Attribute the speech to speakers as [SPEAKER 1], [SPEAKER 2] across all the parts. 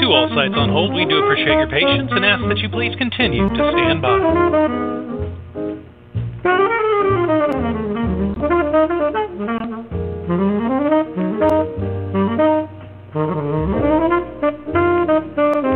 [SPEAKER 1] To all sites on hold, we do appreciate your patience and ask that you please continue to stand by.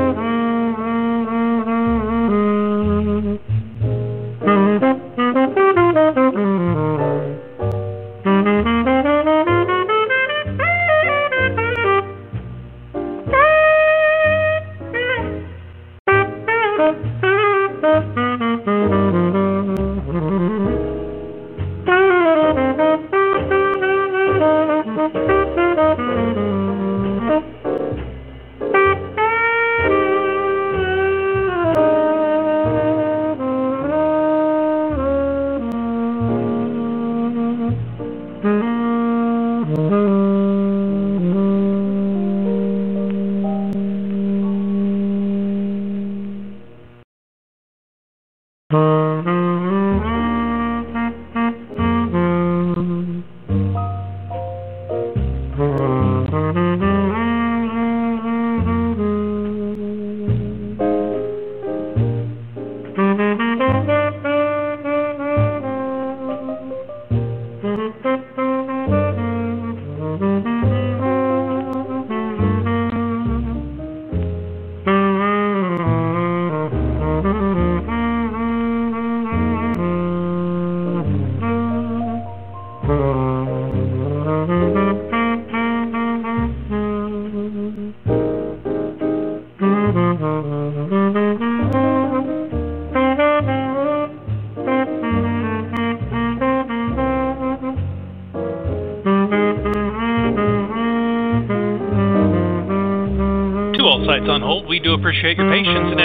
[SPEAKER 1] Your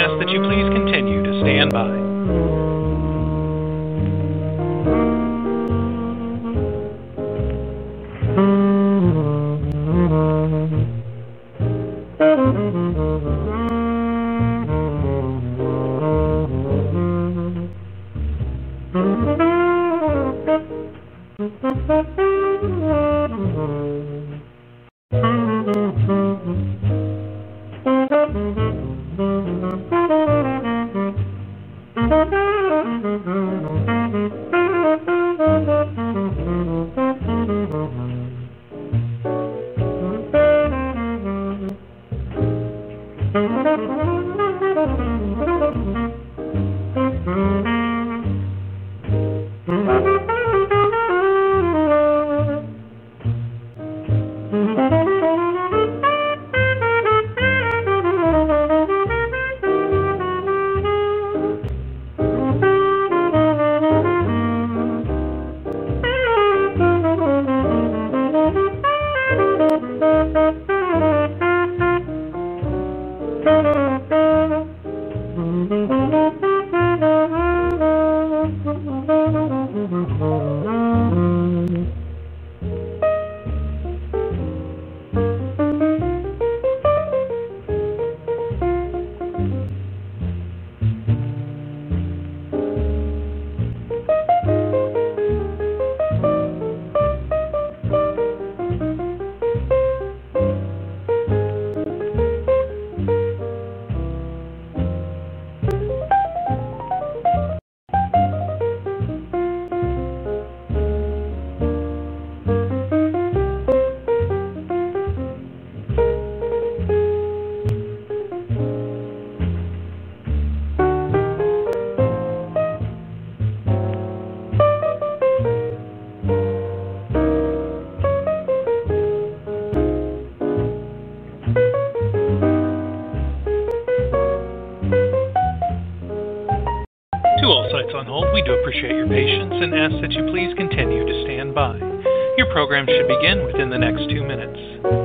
[SPEAKER 1] program should begin within the next two minutes. Please stand by. Your program is about to begin. Should you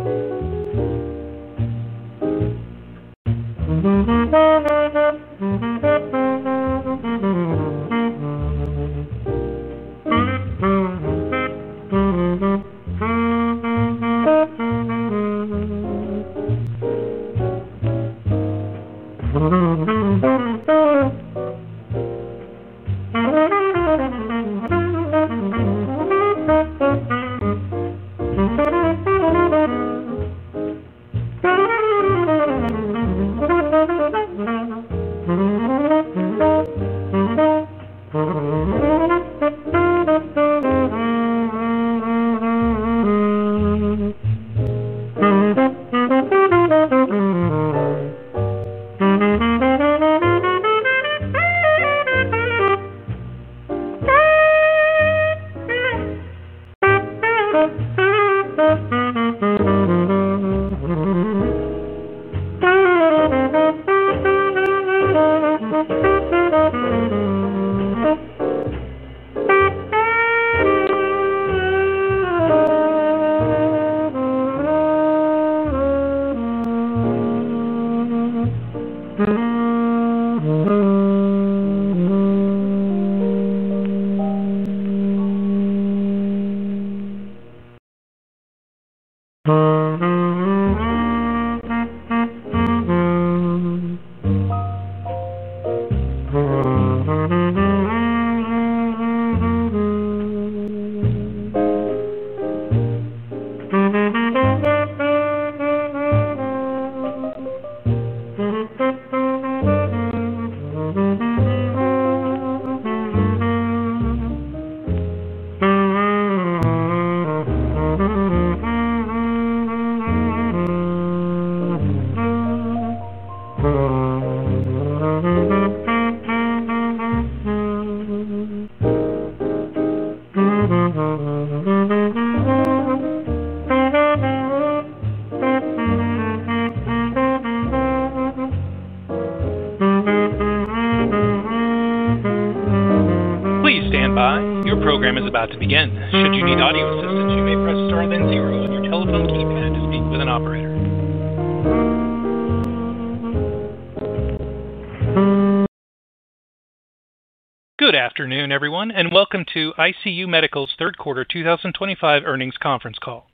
[SPEAKER 1] need audio assistance, you may press star then zero on your telephone keypad to speak with an operator. Good afternoon, everyone, and welcome to ICU Medical's third quarter 2025 earnings conference call.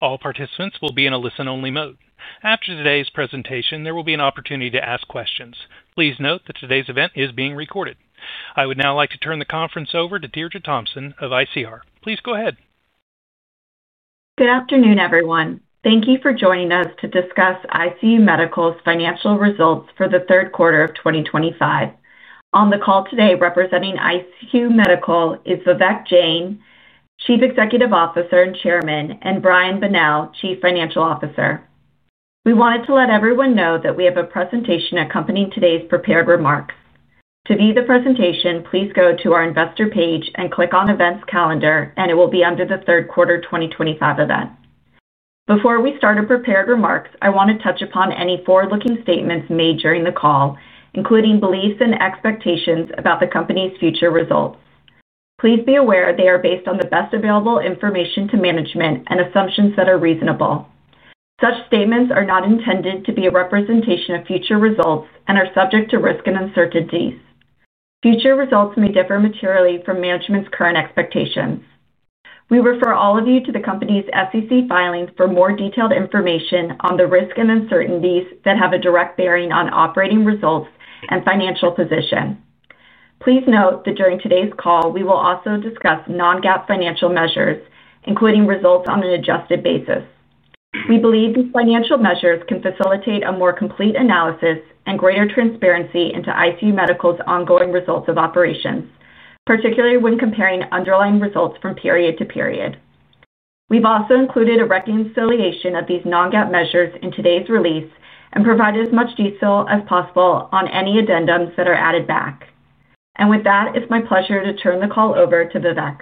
[SPEAKER 1] All participants will be in a listen-only mode. After today's presentation, there will be an opportunity to ask questions. Please note that today's event is being recorded. I would now like to turn the conference over to Deirdre Thomson of ICR. Please go ahead.
[SPEAKER 2] Good afternoon, everyone. Thank you for joining us to discuss ICU Medical's financial results for the third quarter of 2025. On the call today representing ICU Medical is Vivek Jain, Chief Executive Officer and Chairman, and Brian Bonnell, Chief Financial Officer. We wanted to let everyone know that we have a presentation accompanying today's prepared remarks. To view the presentation, please go to our investor page and click on events calendar, and it will be under the third quarter 2025 event. Before we start our prepared remarks, I want to touch upon any forward-looking statements made during the call, including beliefs and expectations about the company's future results. Please be aware they are based on the best available information to management and assumptions that are reasonable. Such statements are not intended to be a representation of future results and are subject to risk and uncertainties. Future results may differ materially from management's current expectations. We refer all of you to the company's SEC filings for more detailed information on the risks and uncertainties that have a direct bearing on operating results and financial position. Please note that during today's call, we will also discuss non-GAAP financial measures, including results on an adjusted basis. We believe these financial measures can facilitate a more complete analysis and greater transparency into ICU Medical's ongoing results of operations, particularly when comparing underlying results from period to period. We have also included a reconciliation of these non-GAAP measures in today's release and provided as much detail as possible on any addendums that are added back. With that, it's my pleasure to turn the call over to Vivek.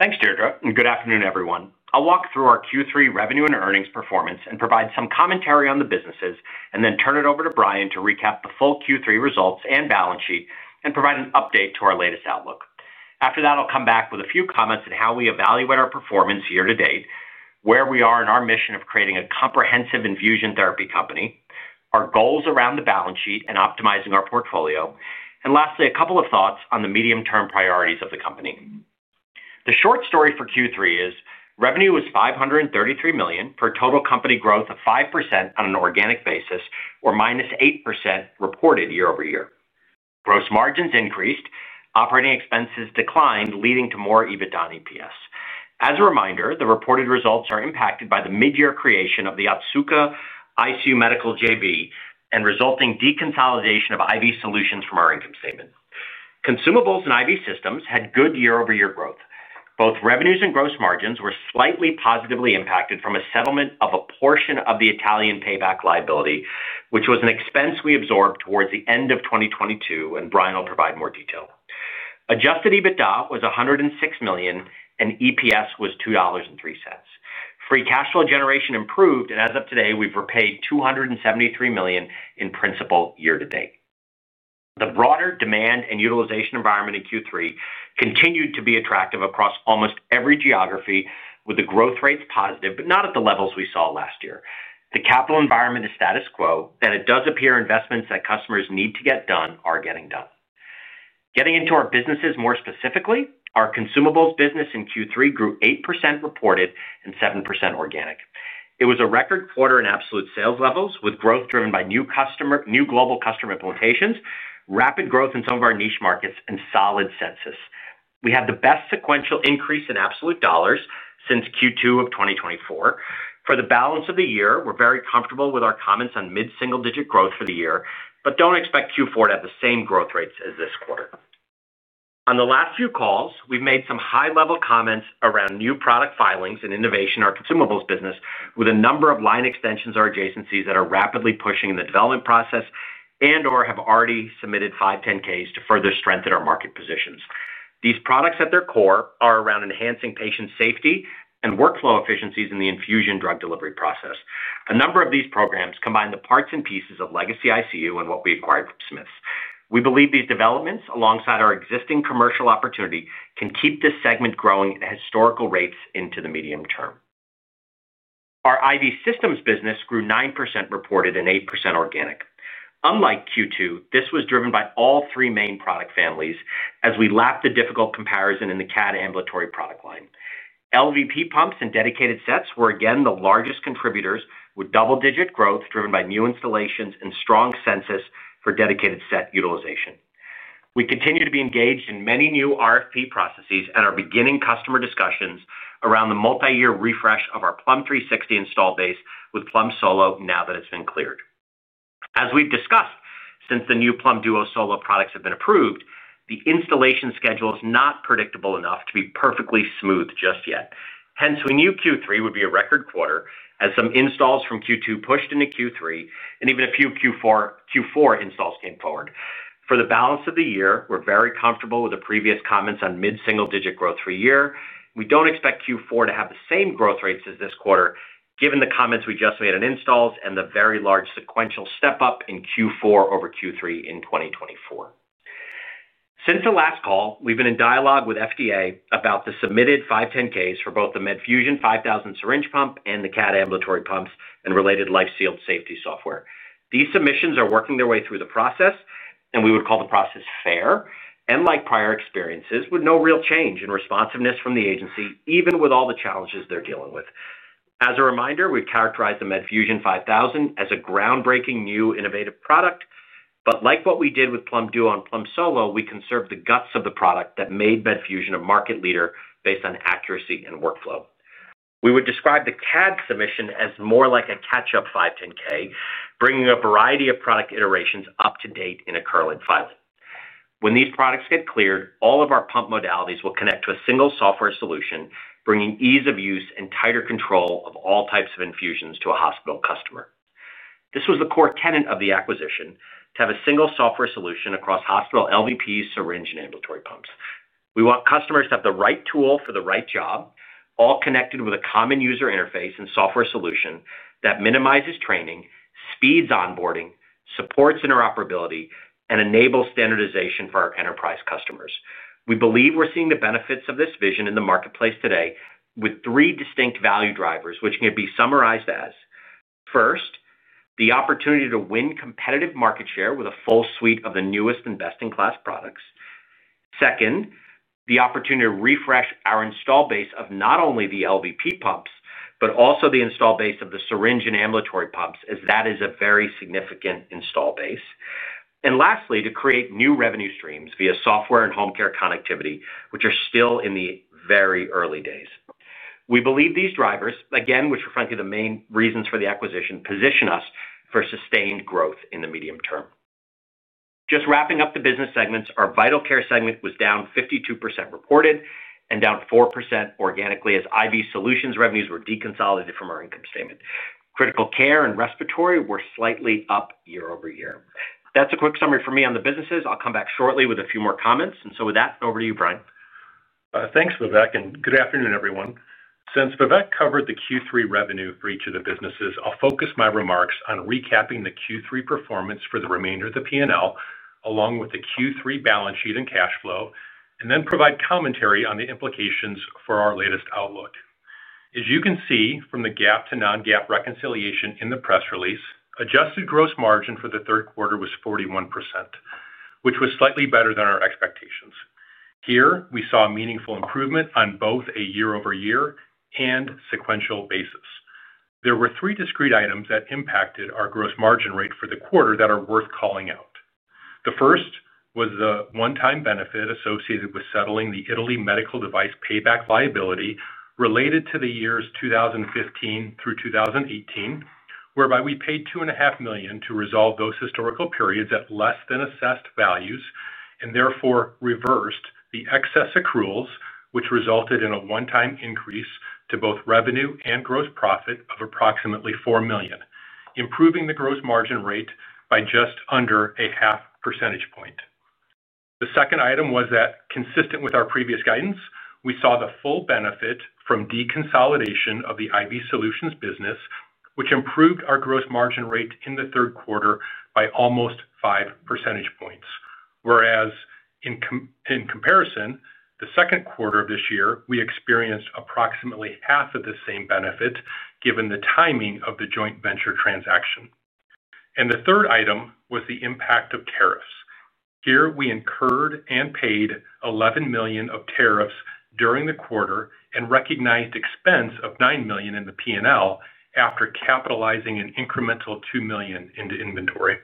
[SPEAKER 3] Thanks, Deirdre, and good afternoon, everyone. I'll walk through our Q3 revenue and earnings performance and provide some commentary on the businesses, and then turn it over to Brian to recap the full Q3 results and balance sheet and provide an update to our latest outlook. After that, I'll come back with a few comments on how we evaluate our performance year to date, where we are in our mission of creating a comprehensive infusion therapy company, our goals around the balance sheet and optimizing our portfolio, and lastly, a couple of thoughts on the medium-term priorities of the company. The short story for Q3 is revenue was $533 million for a total company growth of 5% on an organic basis, or -8% reported year-over-year. Gross margins increased, operating expenses declined, leading to more EBITDA on EPS. As a reminder, the reported results are impacted by the mid-year creation of the Otsuka-ICU Medical JV and resulting deconsolidation of IV solutions from our income statement. Consumables and IV systems had good year-over-year growth. Both revenues and gross margins were slightly positively impacted from a settlement of a portion of the Italian payback liability, which was an expense we absorbed towards the end of 2022, and Brian will provide more detail. Adjusted EBITDA was $106 million, and EPS was $2.03. Free cash flow generation improved, and as of today, we've repaid $273 million in principal year to date. The broader demand and utilization environment in Q3 continued to be attractive across almost every geography, with the growth rates positive, but not at the levels we saw last year. The capital environment is status quo, and it does appear investments that customers need to get done are getting done. Getting into our businesses more specifically, our consumables business in Q3 grew 8% reported and 7% organic. It was a record quarter in absolute sales levels, with growth driven by new global customer implementations, rapid growth in some of our niche markets, and solid census. We had the best sequential increase in absolute dollars since Q2 of 2024. For the balance of the year, we're very comfortable with our comments on mid-single-digit growth for the year, but don't expect Q4 to have the same growth rates as this quarter. On the last few calls, we've made some high-level comments around new product filings and innovation in our consumables business, with a number of line extensions or adjacencies that are rapidly pushing in the development process and/or have already submitted 510(k)s to further strengthen our market positions. These products, at their core, are around enhancing patient safety and workflow efficiencies in the infusion drug delivery process. A number of these programs combine the parts and pieces of legacy ICU and what we acquired from Smiths. We believe these developments, alongside our existing commercial opportunity, can keep this segment growing at historical rates into the medium term. Our IV systems business grew 9% reported and 8% organic. Unlike Q2, this was driven by all three main product families as we lapped the difficult comparison in the CADD ambulatory product line. LVP pumps and dedicated sets were, again, the largest contributors with double-digit growth driven by new installations and strong census for dedicated set utilization. We continue to be engaged in many new RFP processes and are beginning customer discussions around the multi-year refresh of our Plum 360 install base with Plum Solo now that it's been cleared. As we've discussed, since the new Plum Duo and Solo products have been approved, the installation schedule is not predictable enough to be perfectly smooth just yet. Hence, we knew Q3 would be a record quarter as some installs from Q2 pushed into Q3, and even a few Q4 installs came forward. For the balance of the year, we're very comfortable with the previous comments on mid-single-digit growth for a year. We don't expect Q4 to have the same growth rates as this quarter, given the comments we just made on installs and the very large sequential step-up in Q4 over Q3 in 2024. Since the last call, we've been in dialogue with the FDA about the submitted 510(k)s for both the Medfusion 5000 syringe pump and the CADD ambulatory pumps and related life-sealed safety software. These submissions are working their way through the process, and we would call the process fair and, like prior experiences, with no real change in responsiveness from the agency, even with all the challenges they're dealing with. As a reminder, we've characterized the Medfusion 5000 as a groundbreaking new innovative product, but like what we did with Plum Duo and Plum Solo, we conserved the guts of the product that made Medfusion a market leader based on accuracy and workflow. We would describe the CADD submission as more like a catch-up 510(k), bringing a variety of product iterations up to date in a curling file. When these products get cleared, all of our pump modalities will connect to a single software solution, bringing ease of use and tighter control of all types of infusions to a hospital customer. This was the core tenet of the acquisition: to have a single software solution across hospital LVPs, syringe, and ambulatory pumps. We want customers to have the right tool for the right job, all connected with a common user interface and software solution that minimizes training, speeds onboarding, supports interoperability, and enables standardization for our enterprise customers. We believe we're seeing the benefits of this vision in the marketplace today with three distinct value drivers, which can be summarized as. First, the opportunity to win competitive market share with a full suite of the newest and best-in-class products. Second, the opportunity to refresh our install base of not only the LVP pumps, but also the install base of the syringe and ambulatory pumps, as that is a very significant install base. Lastly, to create new revenue streams via software and home care connectivity, which are still in the very early days. We believe these drivers, again, which are frankly the main reasons for the acquisition, position us for sustained growth in the medium term. Just wrapping up the business segments, our vital care segment was down 52% reported and down 4% organically as IV solutions revenues were deconsolidated from our income statement. Critical care and respiratory were slightly up year-over-year. That's a quick summary for me on the businesses. I'll come back shortly with a few more comments. With that, over to you, Brian.
[SPEAKER 4] Thanks, Vivek, and good afternoon, everyone. Since Vivek covered the Q3 revenue for each of the businesses, I'll focus my remarks on recapping the Q3 performance for the remainder of the P&L, along with the Q3 balance sheet and cash flow, and then provide commentary on the implications for our latest outlook. As you can see from the GAAP to non-GAAP reconciliation in the press release, adjusted gross margin for the third quarter was 41%, which was slightly better than our expectations. Here, we saw meaningful improvement on both a year-over-year and sequential basis. There were three discrete items that impacted our gross margin rate for the quarter that are worth calling out. The first was the one-time benefit associated with settling the Italy medical device payback liability related to the years 2015 through 2018, whereby we paid $2.5 million to resolve those historical periods at less than assessed values and therefore reversed the excess accruals, which resulted in a one-time increase to both revenue and gross profit of approximately $4 million, improving the gross margin rate by just under a half percentage point. The second item was that, consistent with our previous guidance, we saw the full benefit from deconsolidation of the IV solutions business, which improved our gross margin rate in the third quarter by almost five percentage points. Whereas, in comparison, the second quarter of this year, we experienced approximately half of the same benefit given the timing of the joint venture transaction. The third item was the impact of tariffs. Here, we incurred and paid $11 million of tariffs during the quarter and recognized expense of $9 million in the P&L after capitalizing an incremental $2 million into inventory.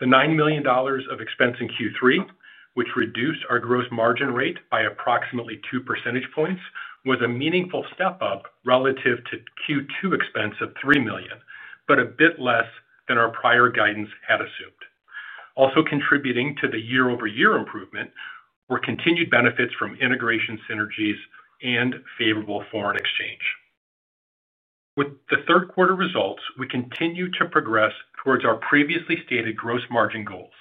[SPEAKER 4] The $9 million of expense in Q3, which reduced our gross margin rate by approximately two percentage points, was a meaningful step-up relative to Q2 expense of $3 million, but a bit less than our prior guidance had assumed. Also contributing to the year-over-year improvement were continued benefits from integration synergies and favorable foreign exchange. With the third quarter results, we continue to progress towards our previously stated gross margin goals.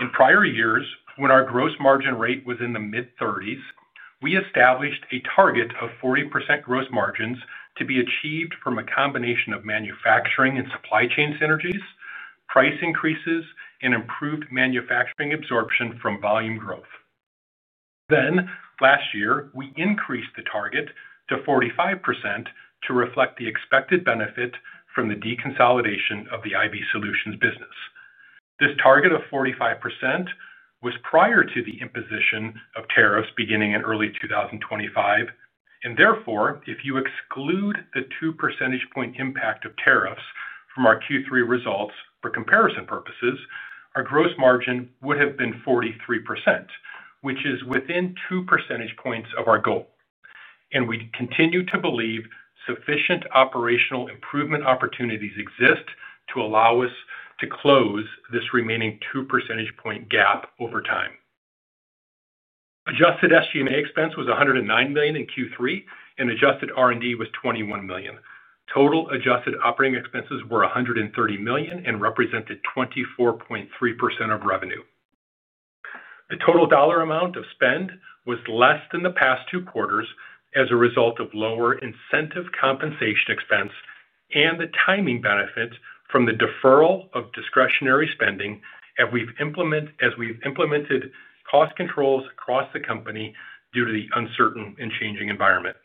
[SPEAKER 4] In prior years, when our gross margin rate was in the mid-30s, we established a target of 40% gross margins to be achieved from a combination of manufacturing and supply chain synergies, price increases, and improved manufacturing absorption from volume growth. Last year, we increased the target to 45% to reflect the expected benefit from the deconsolidation of the IV solutions business. This target of 45% was prior to the imposition of tariffs beginning in early 2025. Therefore, if you exclude the two percentage point impact of tariffs from our Q3 results for comparison purposes, our gross margin would have been 43%, which is within 2 percentage points of our goal. We continue to believe sufficient operational improvement opportunities exist to allow us to close this remaining two percentage point GAAP over time. Adjusted SG&A expense was $109 million in Q3, and adjusted R&D was $21 million. Total adjusted operating expenses were $130 million and represented 24.3% of revenue. The total dollar amount of spend was less than the past two quarters as a result of lower incentive compensation expense and the timing benefits from the deferral of discretionary spending as we've implemented cost controls across the company due to the uncertain and changing environment.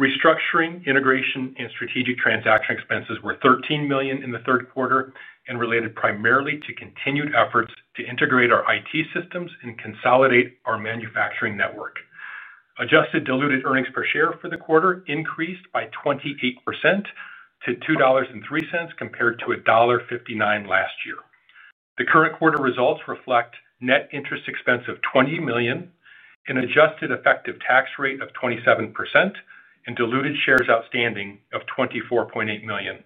[SPEAKER 4] Restructuring, integration, and strategic transaction expenses were $13 million in the third quarter and related primarily to continued efforts to integrate our IT systems and consolidate our manufacturing network. Adjusted diluted earnings per share for the quarter increased by 28% to $2.03 compared to $1.59 last year. The current quarter results reflect net interest expense of $20 million, an adjusted effective tax rate of 27%, and diluted shares outstanding of 24.8 million.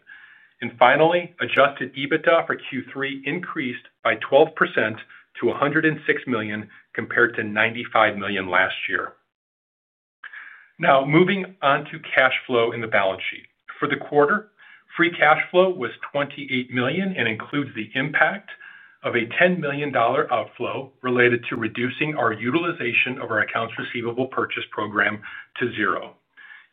[SPEAKER 4] Finally, adjusted EBITDA for Q3 increased by 12% to $106 million compared to $95 million last year. Now, moving on to cash flow in the balance sheet. For the quarter, free cash flow was $28 million and includes the impact of a $10 million outflow related to reducing our utilization of our accounts receivable purchase program to zero.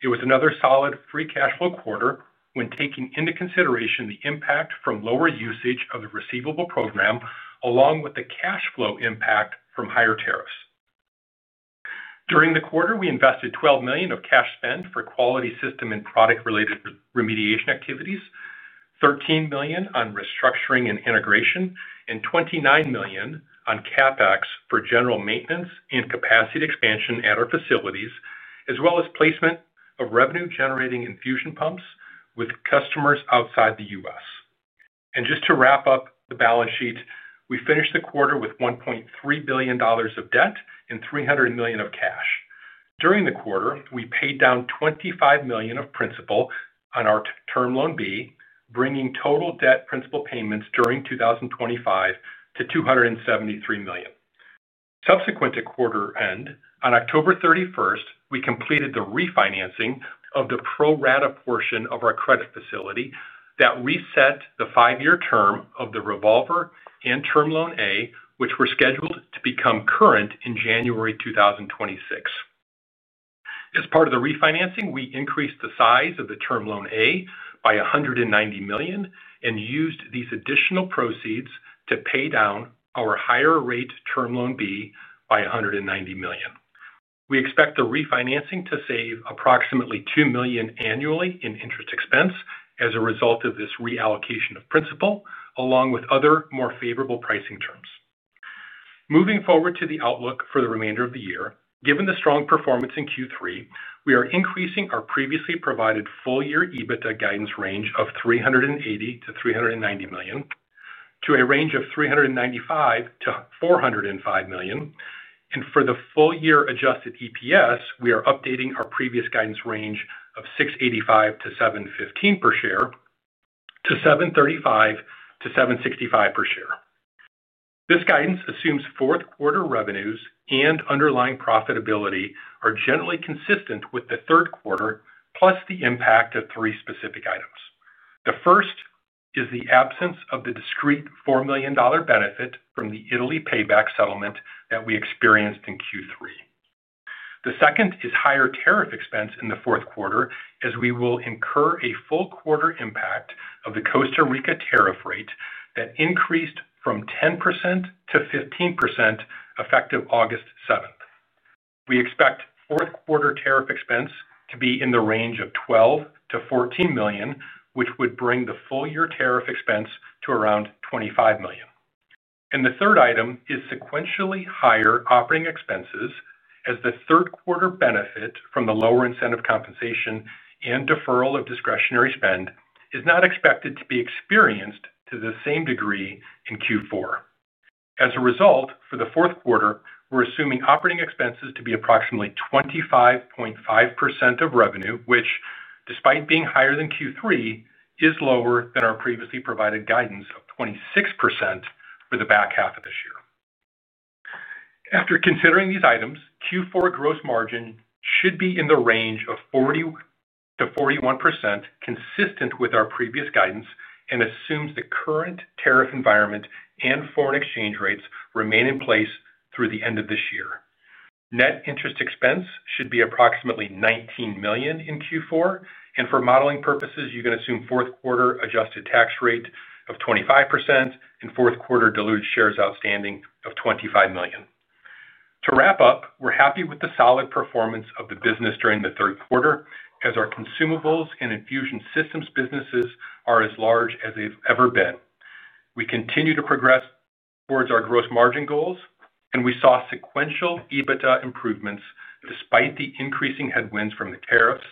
[SPEAKER 4] It was another solid free cash flow quarter when taking into consideration the impact from lower usage of the receivable program along with the cash flow impact from higher tariffs. During the quarter, we invested $12 million of cash spend for quality system and product-related remediation activities, $13 million on restructuring and integration, and $29 million on CapEx for general maintenance and capacity expansion at our facilities, as well as placement of revenue-generating infusion pumps with customers outside the U.S. Just to wrap up the balance sheet, we finished the quarter with $1.3 billion of debt and $300 million of cash. During the quarter, we paid down $25 million of principal on our term loan B, bringing total debt principal payments during 2025 to $273 million. Subsequent to quarter end, on October 31st, we completed the refinancing of the pro-rata portion of our credit facility that reset the five-year term of the revolver and term loan A, which were scheduled to become current in January 2026. As part of the refinancing, we increased the size of the term loan A by $190 million and used these additional proceeds to pay down our higher-rate term loan B by $190 million. We expect the refinancing to save approximately $2 million annually in interest expense as a result of this reallocation of principal, along with other more favorable pricing terms. Moving forward to the outlook for the remainder of the year, given the strong performance in Q3, we are increasing our previously provided full-year EBITDA guidance range of $380 million-$390 million to a range of $395 million-$405 million. For the full-year adjusted EPS, we are updating our previous guidance range of $6.85-$7.15 per share to $7.35-$7.65 per share. This guidance assumes fourth-quarter revenues and underlying profitability are generally consistent with the third quarter, plus the impact of three specific items. The first is the absence of the discrete $4 million benefit from the Italy payback settlement that we experienced in Q3. The second is higher tariff expense in the fourth quarter, as we will incur a full-quarter impact of the Costa Rica tariff rate that increased from 10% to 15% effective August 7th. We expect fourth-quarter tariff expense to be in the range of $12 million-$14 million, which would bring the full-year tariff expense to around $25 million. The third item is sequentially higher operating expenses, as the third-quarter benefit from the lower incentive compensation and deferral of discretionary spend is not expected to be experienced to the same degree in Q4. As a result, for the fourth quarter, we're assuming operating expenses to be approximately 25.5% of revenue, which, despite being higher than Q3, is lower than our previously provided guidance of 26% for the back half of this year. After considering these items, Q4 gross margin should be in the range of 40%-41%, consistent with our previous guidance, and assumes the current tariff environment and foreign exchange rates remain in place through the end of this year. Net interest expense should be approximately $19 million in Q4. For modeling purposes, you can assume fourth-quarter adjusted tax rate of 25% and fourth-quarter diluted shares outstanding of 25 million. To wrap up, we're happy with the solid performance of the business during the third quarter, as our consumables and infusion systems businesses are as large as they've ever been. We continue to progress towards our gross margin goals, and we saw sequential EBITDA improvements despite the increasing headwinds from the tariffs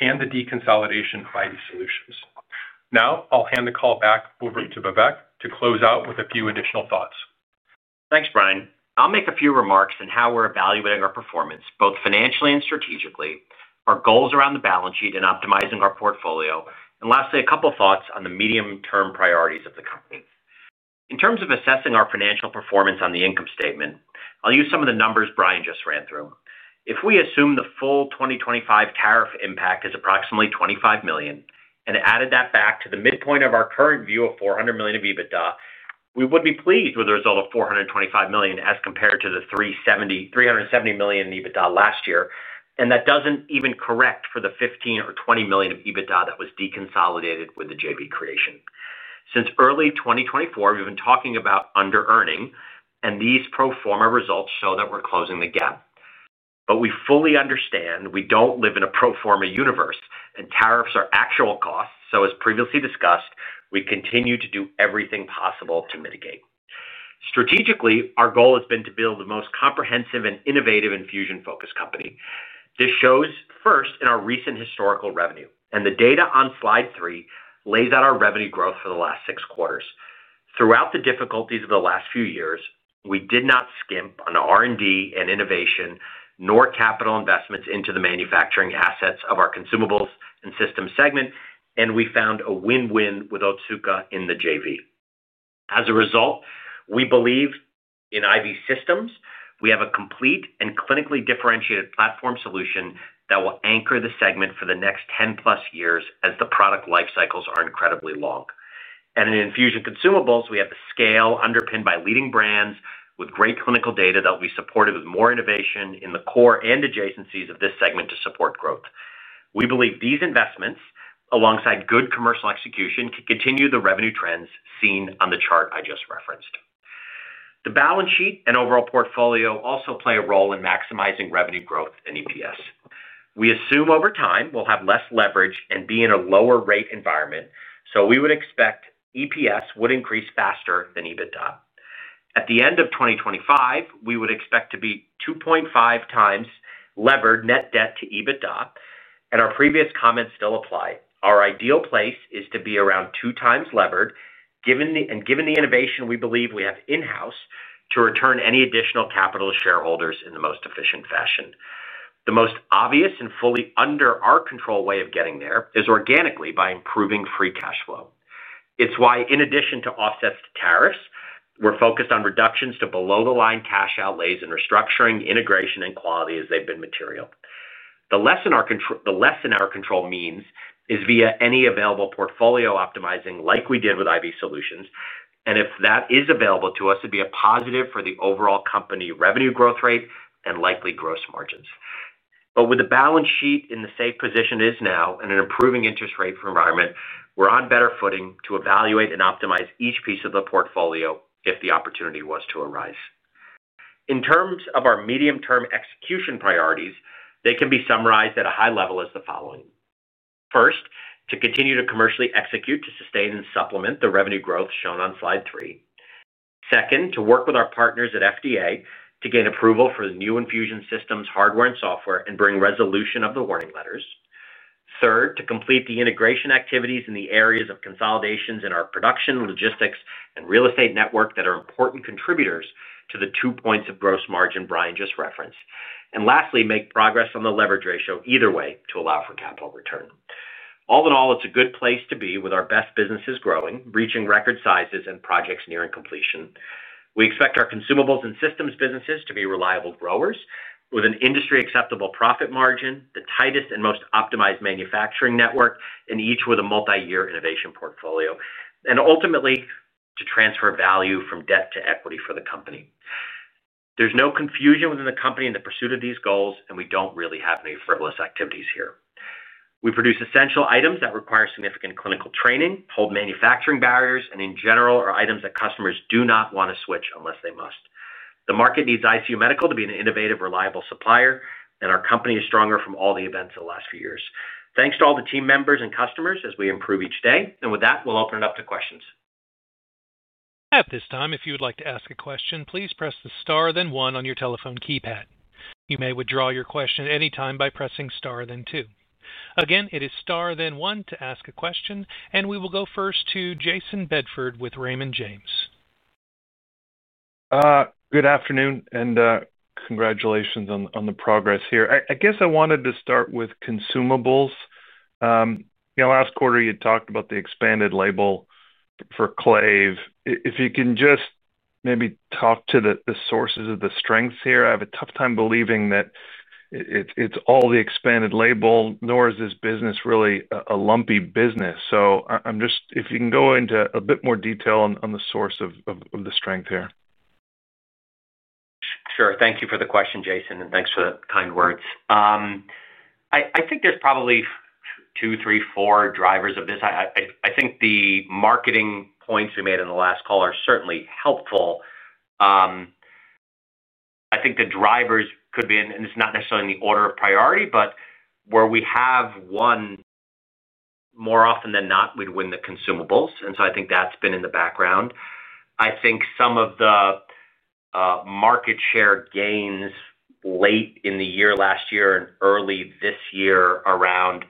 [SPEAKER 4] and the deconsolidation of IV solutions. Now, I'll hand the call back over to Vivek to close out with a few additional thoughts.
[SPEAKER 3] Thanks, Brian. I'll make a few remarks on how we're evaluating our performance, both financially and strategically, our goals around the balance sheet and optimizing our portfolio. Lastly, a couple of thoughts on the medium-term priorities of the company. In terms of assessing our financial performance on the income statement, I'll use some of the numbers Brian just ran through. If we assume the full 2025 tariff impact is approximately $25 million and added that back to the midpoint of our current view of $400 million of EBITDA, we would be pleased with the result of $425 million as compared to the $370 million EBITDA last year. That does not even correct for the $15 million or $20 million of EBITDA that was deconsolidated with the JV creation. Since early 2024, we've been talking about under-earning, and these pro forma results show that we're closing the gap. We fully understand we don't live in a pro forma universe, and tariffs are actual costs. As previously discussed, we continue to do everything possible to mitigate. Strategically, our goal has been to build the most comprehensive and innovative infusion-focused company. This shows first in our recent historical revenue. The data on slide three lays out our revenue growth for the last six quarters. Throughout the difficulties of the last few years, we did not skimp on R&D and innovation, nor capital investments into the manufacturing assets of our consumables and systems segment. We found a win-win with Otsuka in the JV. As a result, we believe in IV systems. We have a complete and clinically differentiated platform solution that will anchor the segment for the next 10+ years as the product life cycles are incredibly long. In infusion consumables, we have the scale underpinned by leading brands with great clinical data that will be supported with more innovation in the core and adjacencies of this segment to support growth. We believe these investments, alongside good commercial execution, can continue the revenue trends seen on the chart I just referenced. The balance sheet and overall portfolio also play a role in maximizing revenue growth and EPS. We assume over time we'll have less leverage and be in a lower-rate environment. We would expect EPS would increase faster than EBITDA. At the end of 2025, we would expect to be 2.5x levered net debt to EBITDA. Our previous comments still apply. Our ideal place is to be around two times levered, and given the innovation we believe we have in-house to return any additional capital to shareholders in the most efficient fashion. The most obvious and fully under our control way of getting there is organically by improving free cash flow. It's why, in addition to offsets to tariffs, we're focused on reductions to below-the-line cash outlays and restructuring integration and quality as they've been material. The less in our control means is via any available portfolio optimizing like we did with IV solutions. If that is available to us, it'd be a positive for the overall company revenue growth rate and likely gross margins. With the balance sheet in the safe position it is now and an improving interest rate for the environment, we're on better footing to evaluate and optimize each piece of the portfolio if the opportunity was to arise. In terms of our medium-term execution priorities, they can be summarized at a high level as the following. First, to continue to commercially execute to sustain and supplement the revenue growth shown on slide three. Second, to work with our partners at FDA to gain approval for the new infusion systems, hardware, and software, and bring resolution of the warning letters. Third, to complete the integration activities in the areas of consolidations in our production, logistics, and real estate network that are important contributors to the two percentage points of gross margin Brian just referenced. Lastly, make progress on the leverage ratio either way to allow for capital return. All in all, it's a good place to be with our best businesses growing, reaching record sizes, and projects nearing completion. We expect our consumables and systems businesses to be reliable growers with an industry-acceptable profit margin, the tightest and most optimized manufacturing network, and each with a multi-year innovation portfolio. Ultimately, to transfer value from debt to equity for the company. There is no confusion within the company in the pursuit of these goals, and we do not really have any frivolous activities here. We produce essential items that require significant clinical training, hold manufacturing barriers, and in general, are items that customers do not want to switch unless they must. The market needs ICU Medical to be an innovative, reliable supplier, and our company is stronger from all the events of the last few years. Thanks to all the team members and customers as we improve each day. With that, we will open it up to questions.
[SPEAKER 1] At this time, if you would like to ask a question, please press the star then one on your telephone keypad. You may withdraw your question at any time by pressing star then two. Again, it is star then one to ask a question. We will go first to Jayson Bedford with Raymond James.
[SPEAKER 5] Good afternoon and congratulations on the progress here. I guess I wanted to start with consumables. Last quarter, you talked about the expanded label for Clave. If you can just maybe talk to the sources of the strengths here. I have a tough time believing that. It's all the expanded label, nor is this business really a lumpy business. If you can go into a bit more detail on the source of the strength here.
[SPEAKER 3] Sure. Thank you for the question, Jayson, and thanks for the kind words. I think there's probably two, three, four drivers of this. I think the marketing points we made on the last call are certainly helpful. I think the drivers could be in, and it's not necessarily in the order of priority, but where we have one, more often than not, we'd win the consumables. I think that's been in the background. I think some of the market share gains late in the year last year and early this year around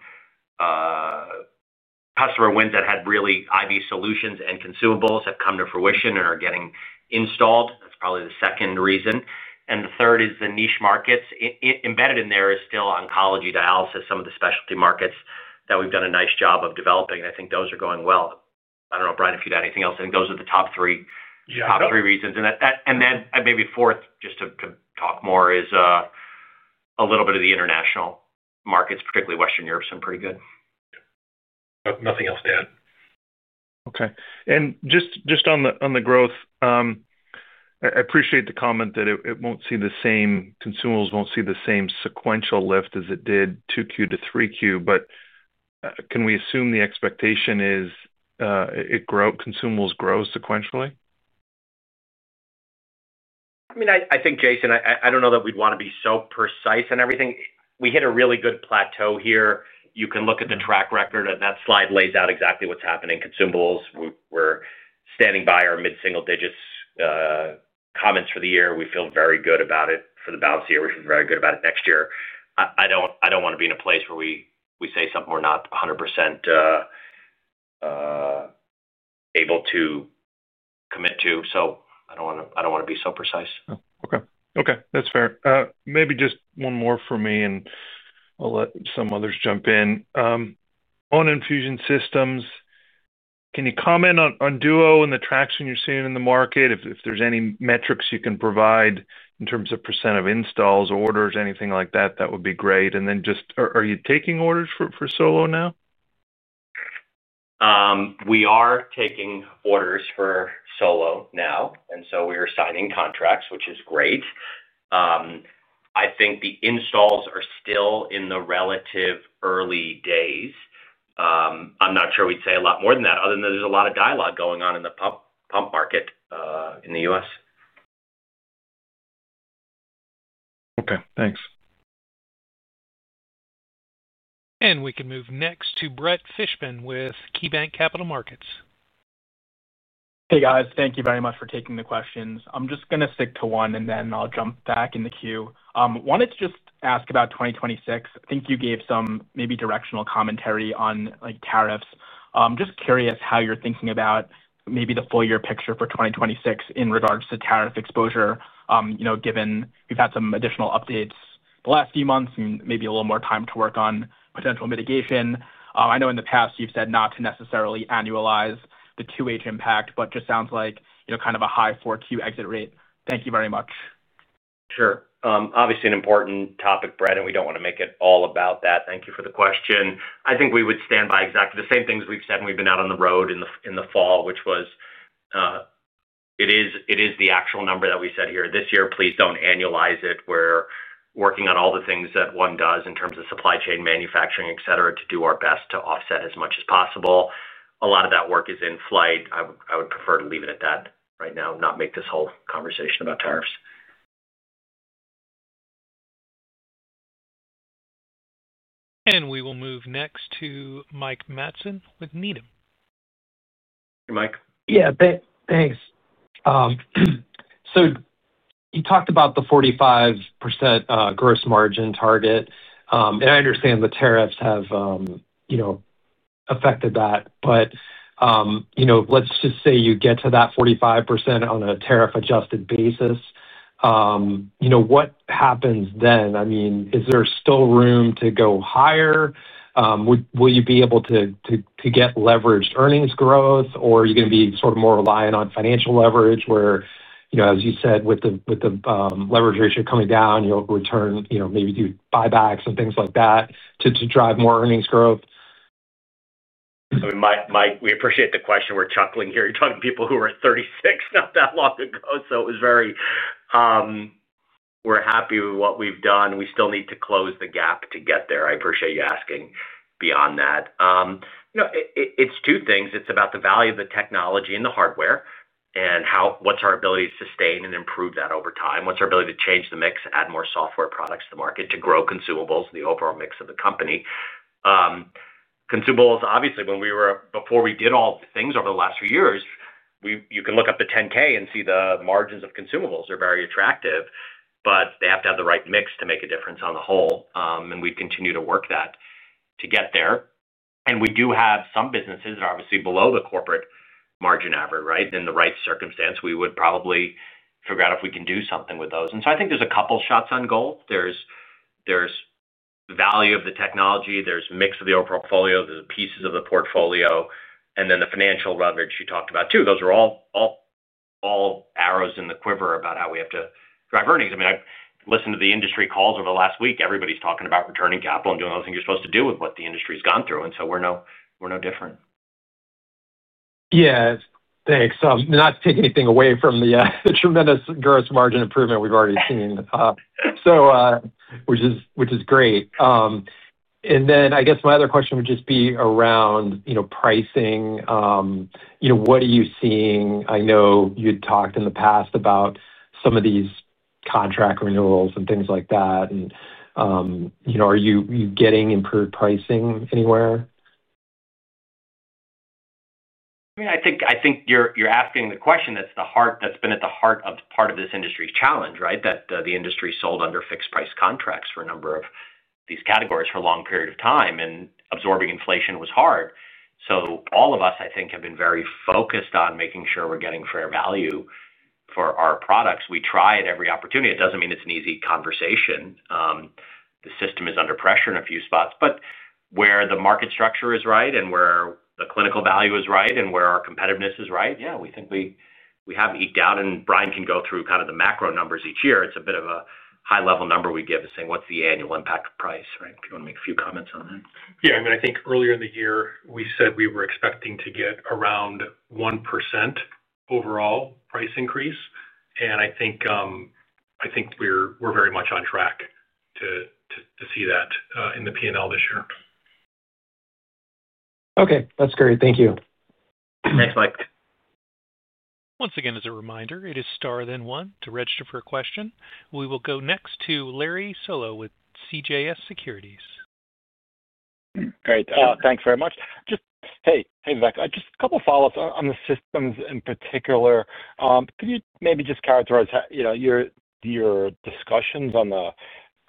[SPEAKER 3] customer wins that had really IV solutions and consumables have come to fruition and are getting installed. That's probably the second reason. The third is the niche markets. Embedded in there is still oncology, dialysis, some of the specialty markets that we've done a nice job of developing. I think those are going well. I don't know, Brian, if you had anything else. I think those are the top three reasons. And then maybe fourth, just to talk more, is a little bit of the international markets, particularly Western Europe, some pretty good.
[SPEAKER 4] Nothing else to add.
[SPEAKER 5] Okay. And just on the growth. I appreciate the comment that it won't see the same consumables, won't see the same sequential lift as it did 2Q to 3Q. Can we assume the expectation is consumables grow sequentially?
[SPEAKER 3] I mean, I think, Jayson, I don't know that we'd want to be so precise on everything. We hit a really good plateau here. You can look at the track record, and that slide lays out exactly what's happening. Consumables, we're standing by our mid-single digits. Comments for the year. We feel very good about it for the balance of the year. We feel very good about it next year. I don't want to be in a place where we say something we're not 100% able to commit to. I don't want to be so precise.
[SPEAKER 5] Okay. Okay. That's fair. Maybe just one more for me, and I'll let some others jump in. On infusion systems. Can you comment on Duo and the traction you're seeing in the market? If there's any metrics you can provide in terms of percentage of installs, orders, anything like that, that would be great. And then just, are you taking orders for Solo now?
[SPEAKER 3] We are taking orders for Solo now. We are signing contracts, which is great. I think the installs are still in the relative early days. I'm not sure we'd say a lot more than that, other than there's a lot of dialogue going on in the pump market in the U.S.
[SPEAKER 5] Okay. Thanks.
[SPEAKER 1] We can move next to Brett Fishman with KeyBanc Capital Markets.
[SPEAKER 6] Hey, guys. Thank you very much for taking the questions. I'm just going to stick to one, and then I'll jump back in the queue. I wanted to just ask about 2026. I think you gave some maybe directional commentary on tariffs. I'm just curious how you're thinking about maybe the full year picture for 2026 in regards to tariff exposure, given we've had some additional updates the last few months and maybe a little more time to work on potential mitigation. I know in the past you've said not to necessarily annualize the 2H impact, but just sounds like kind of a high 4Q exit rate. Thank you very much.
[SPEAKER 3] Sure. Obviously, an important topic, Brett, and we do not want to make it all about that. Thank you for the question. I think we would stand by exactly the same things we have said when we have been out on the road in the fall, which was. It is the actual number that we said here. This year, please do not annualize it. We are working on all the things that one does in terms of supply chain, manufacturing, etc., to do our best to offset as much as possible. A lot of that work is in flight. I would prefer to leave it at that right now, not make this whole conversation about tariffs.
[SPEAKER 1] We will move next to Mike Matson with Needham.
[SPEAKER 3] Hey, Mike.
[SPEAKER 7] Yeah. Thanks. You talked about the 45% gross margin target. I understand the tariffs have affected that. Let's just say you get to that 45% on a tariff-adjusted basis. What happens then? I mean, is there still room to go higher? Will you be able to get leveraged earnings growth, or are you going to be sort of more reliant on financial leverage where, as you said, with the leverage ratio coming down, you'll return maybe to buybacks and things like that to drive more earnings growth?
[SPEAKER 3] I mean, Mike, we appreciate the question. We're chuckling here. You're talking to people who were at 36 not that long ago. It was very. We're happy with what we've done. We still need to close the gap to get there. I appreciate you asking beyond that. It's two things. It's about the value of the technology and the hardware and what's our ability to sustain and improve that over time. What's our ability to change the mix, add more software products to the market to grow consumables and the overall mix of the company? Consumables, obviously, before we did all the things over the last few years, you can look up the 10-K and see the margins of consumables are very attractive. They have to have the right mix to make a difference on the whole. We continue to work that to get there. We do have some businesses that are obviously below the corporate margin average, right? In the right circumstance, we would probably figure out if we can do something with those. I think there's a couple of shots on goal. There's value of the technology. There's a mix of the overall portfolio. There's pieces of the portfolio. And then the financial leverage you talked about too. Those are all arrows in the quiver about how we have to drive earnings. I mean, I listened to the industry calls over the last week. Everybody's talking about returning capital and doing all the things you're supposed to do with what the industry has gone through. We're no different.
[SPEAKER 7] Yeah. Thanks. Not to take anything away from the tremendous gross margin improvement we've already seen, which is great. I guess my other question would just be around pricing. What are you seeing? I know you'd talked in the past about some of these contract renewals and things like that. Are you getting improved pricing anywhere?
[SPEAKER 3] I mean, I think you're asking the question that's been at the heart of part of this industry's challenge, right? The industry sold under fixed-price contracts for a number of these categories for a long period of time. Absorbing inflation was hard. All of us, I think, have been very focused on making sure we're getting fair value for our products. We try at every opportunity. It doesn't mean it's an easy conversation. The system is under pressure in a few spots. Where the market structure is right and where the clinical value is right and where our competitiveness is right, yeah, we think we have eked out. Brian can go through kind of the macro numbers each year. It's a bit of a high-level number we give to say, "What's the annual impact of price?" Right? If you want to make a few comments on that.
[SPEAKER 4] Yeah. I mean, I think earlier in the year, we said we were expecting to get around 1% overall price increase. I think we're very much on track to see that in the P&L this year.
[SPEAKER 7] Okay. That's great. Thank you.
[SPEAKER 3] Thanks, Mike.
[SPEAKER 1] Once again, as a reminder, it is star then one to register for a question. We will go next to Larry Solow with CJS Securities.
[SPEAKER 8] Great. Thanks very much. Hey, Vivek, just a couple of follow-ups on the systems in particular. Can you maybe just characterize your discussions on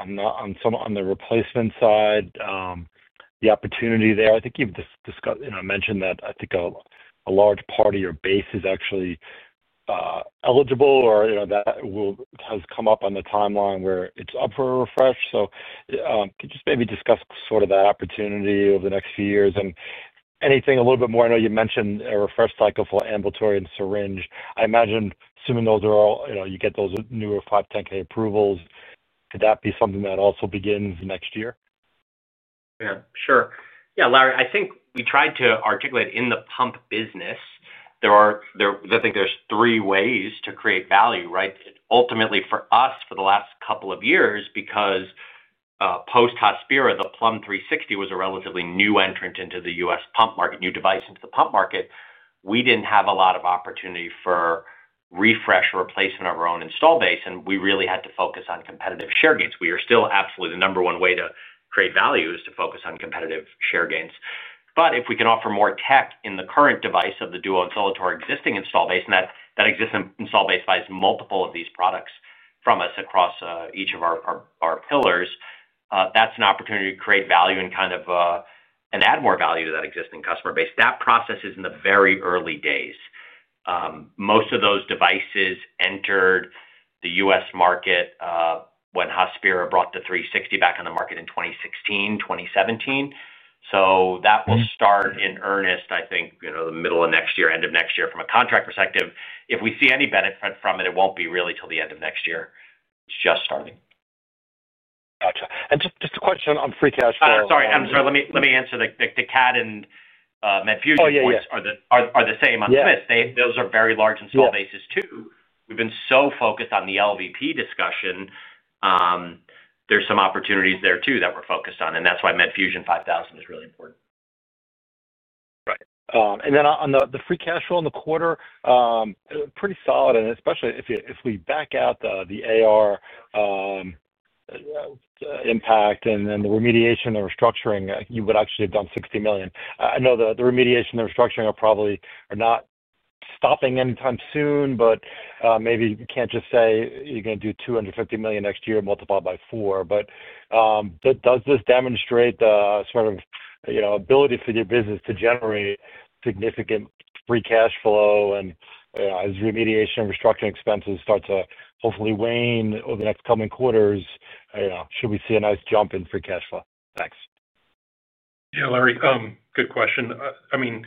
[SPEAKER 8] the replacement side, the opportunity there? I think you've mentioned that I think a large part of your base is actually eligible or that has come up on the timeline where it's up for a refresh. Could you just maybe discuss sort of that opportunity over the next few years? Anything a little bit more? I know you mentioned a refresh cycle for ambulatory and syringe. I imagine assuming those are all you get newer 510(k) approvals, could that be something that also begins next year?
[SPEAKER 3] Yeah. Sure. Yeah, Larry, I think we tried to articulate in the pump business. I think there's three ways to create value, right? Ultimately, for us, for the last couple of years, because post Hospira, the Plum 360 was a relatively new entrant into the U.S. pump market, new device into the pump market, we didn't have a lot of opportunity for refresh or replacement of our own install base. We really had to focus on competitive share gains. We are still absolutely the number one way to create value is to focus on competitive share gains. If we can offer more tech in the current device of the Duo and Solo existing install base, and that existing install base buys multiple of these products from us across each of our pillars, that's an opportunity to create value and kind of. Add more value to that existing customer base. That process is in the very early days. Most of those devices entered the U.S. market when Hospira brought the 360 back on the market in 2016, 2017. That will start in earnest, I think, the middle of next year, end of next year from a contract perspective. If we see any benefit from it, it won't be really till the end of next year. It's just starting.
[SPEAKER 8] Gotcha. Just a question on free cash flow.
[SPEAKER 3] Sorry. I'm sorry. Let me answer. The CADD and Medfusion are the same on SMIS. Those are very large install bases too. We've been so focused on the LVP discussion. There are some opportunities there too that we're focused on. That is why Medfusion 5000 is really important.
[SPEAKER 8] Right. And then on the free cash flow in the quarter. Pretty solid. Especially if we back out the AR impact and the remediation and restructuring, you would actually have done $60 million. I know the remediation and restructuring are probably not stopping anytime soon, but maybe you can't just say you're going to do $250 million next year multiplied by four. Does this demonstrate the sort of ability for your business to generate significant free cash flow? As remediation and restructuring expenses start to hopefully wane over the next coming quarters, should we see a nice jump in free cash flow? Thanks.
[SPEAKER 4] Yeah, Larry, good question. I mean,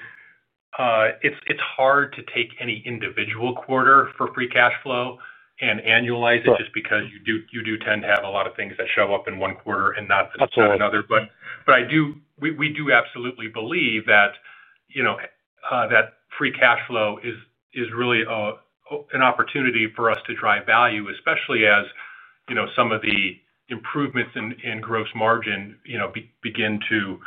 [SPEAKER 4] it's hard to take any individual quarter for free cash flow and annualize it just because you do tend to have a lot of things that show up in one quarter and not in another. We do absolutely believe that free cash flow is really an opportunity for us to drive value, especially as some of the improvements in gross margin begin to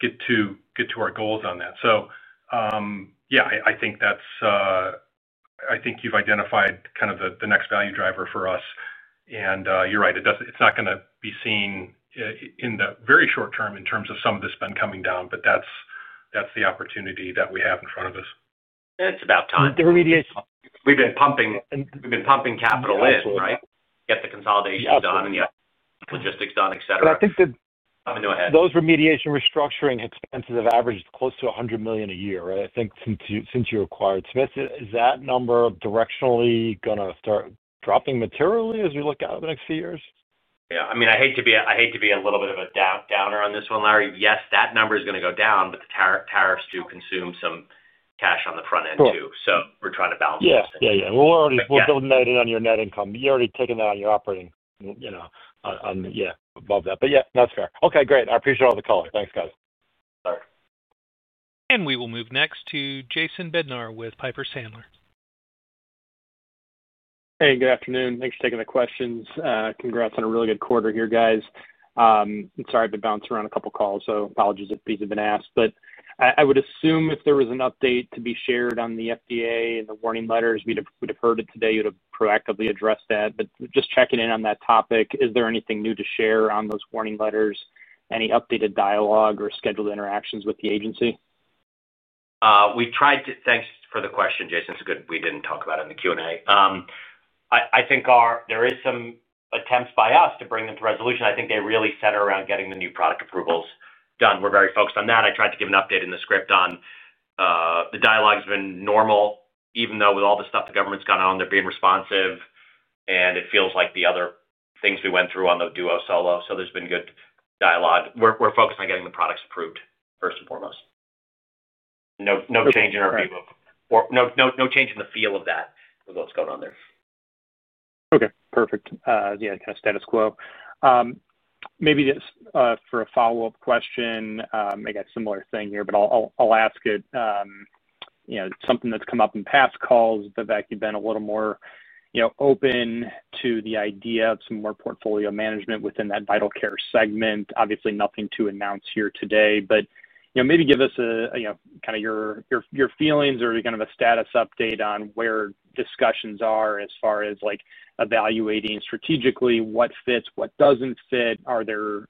[SPEAKER 4] get to our goals on that. Yeah, I think that's, I think you've identified kind of the next value driver for us. You're right, it's not going to be seen in the very short term in terms of some of the spend coming down, but that's the opportunity that we have in front of us.
[SPEAKER 3] It's about time.
[SPEAKER 8] The remediation.
[SPEAKER 3] We've been pumping. We've been pumping capital in, right? Get the consolidation done and get logistics done, etc.
[SPEAKER 8] I think the.
[SPEAKER 3] Go ahead.
[SPEAKER 8] Those remediation restructuring expenses have averaged close to $100 million a year, right? I think since you acquired Smiths Medical, is that number directionally going to start dropping materially as we look out over the next few years?
[SPEAKER 3] Yeah. I mean, I hate to be a little bit of a downer on this one, Larry. Yes, that number is going to go down, but the tariffs do consume some cash on the front end too. So we're trying to balance it.
[SPEAKER 8] Yeah, yeah. We'll note it on your net income. You're already taking that on your operating. Yeah, above that. Yeah, that's fair. Okay, great. I appreciate all the calls. Thanks, guys.
[SPEAKER 3] All right.
[SPEAKER 1] We will move next to Jason Bednar with Piper Sandler.
[SPEAKER 9] Hey, good afternoon. Thanks for taking the questions. Congrats on a really good quarter here, guys. I'm sorry I've been bouncing around a couple of calls, so apologies if these have been asked. I would assume if there was an update to be shared on the FDA and the warning letters, we'd have heard it today. You'd have proactively addressed that. Just checking in on that topic, is there anything new to share on those warning letters, any updated dialogue or scheduled interactions with the agency?
[SPEAKER 3] We tried to. Thanks for the question, Jason. It's good we didn't talk about it in the Q&A. I think there are some attempts by us to bring them to resolution. I think they really center around getting the new product approvals done. We're very focused on that. I tried to give an update in the script on. The dialogue has been normal, even though with all the stuff the government's gone on, they're being responsive. It feels like the other things we went through on the Duo Solo. There's been good dialogue. We're focused on getting the products approved first and foremost. No change in our view. No change in the feel of that with what's going on there.
[SPEAKER 9] Okay. Perfect. Yeah, kind of status quo. Maybe just for a follow-up question, I got a similar thing here, but I'll ask it. Something that's come up in past calls, Vivek, you've been a little more open to the idea of some more portfolio management within that vital care segment. Obviously, nothing to announce here today, but maybe give us kind of your feelings or kind of a status update on where discussions are as far as evaluating strategically what fits, what doesn't fit. Are there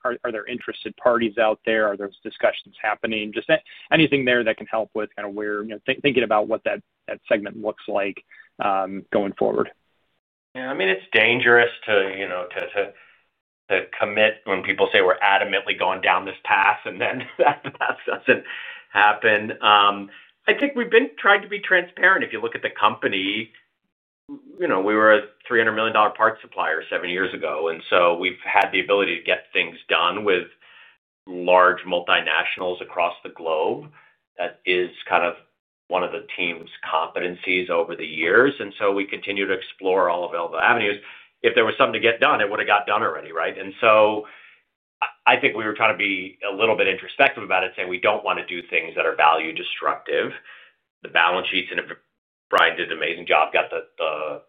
[SPEAKER 9] interested parties out there? Are those discussions happening? Just anything there that can help with kind of thinking about what that segment looks like going forward.
[SPEAKER 3] Yeah. I mean, it's dangerous to commit when people say we're adamantly going down this path and then that path doesn't happen. I think we've been trying to be transparent. If you look at the company, we were a $300 million parts supplier seven years ago. And so we've had the ability to get things done with large multinationals across the globe. That is kind of one of the team's competencies over the years. We continue to explore all available avenues. If there was something to get done, it would have got done already, right? I think we were trying to be a little bit introspective about it, saying we don't want to do things that are value destructive. The balance sheets, and Brian did an amazing job, got the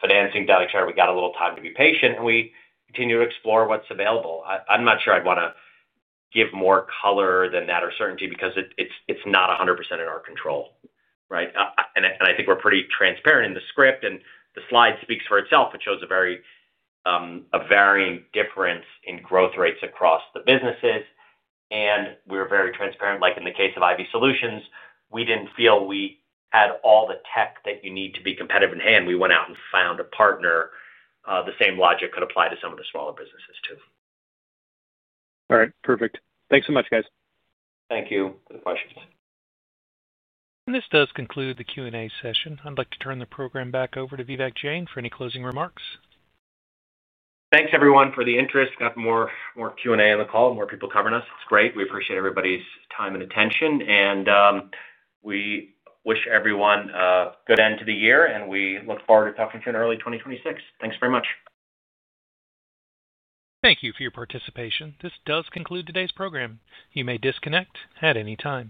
[SPEAKER 3] financing done. We got a little time to be patient, and we continue to explore what's available. I'm not sure I'd want to give more color than that or certainty because it's not 100% in our control, right? I think we're pretty transparent in the script, and the slide speaks for itself. It shows a varying difference in growth rates across the businesses. We're very transparent. Like in the case of IV solutions, we didn't feel we had all the tech that you need to be competitive in hand. We went out and found a partner. The same logic could apply to some of the smaller businesses too.
[SPEAKER 9] All right. Perfect. Thanks so much, guys.
[SPEAKER 3] Thank you for the questions.
[SPEAKER 1] This does conclude the Q&A session. I'd like to turn the program back over to Vivek Jain for any closing remarks.
[SPEAKER 3] Thanks, everyone, for the interest. We've got more Q&A on the call, more people covering us. It's great. We appreciate everybody's time and attention. We wish everyone a good end to the year, and we look forward to talking to you in early 2025. Thanks very much.
[SPEAKER 1] Thank you for your participation. This does conclude today's program. You may disconnect at any time.